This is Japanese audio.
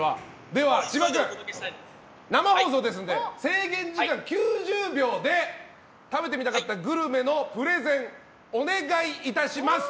千葉君、生放送ですので制限時間９０秒で食べてみたかったグルメのプレゼンをお願いいたします。